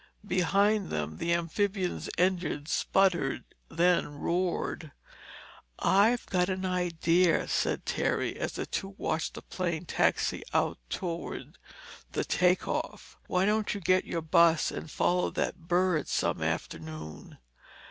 Behind them the amphibian's engine sputtered, then roared. "I've got an idea," said Terry as the two watched the plane taxi out toward the takeoff. "Why don't you get your bus and follow that bird some afternoon?"